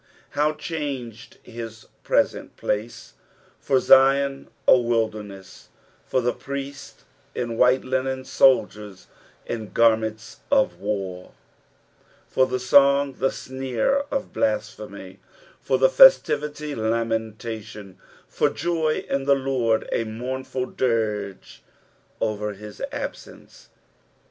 How changed his present place I For ZioD, a wilderness \ for the priests in white linen, soldiers in garments of war ; for the song, the' sneer of blasphemy ; for the festivity, lamentation ; for joy in the Lord, a mournful dirge over his absence.